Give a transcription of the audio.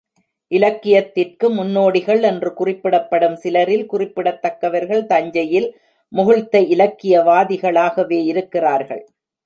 இலக்கியத்திற்கு முன்னோடிகள் என்று குறிப்பிடப்படும் சிலரில் குறிப்பிடத்தக்கவர்கள் தஞ்சையில் முகிழ்த்த இலக்கியவாதிகளாகவே இருக்கிறார்கள்.